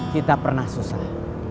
kita pernah susah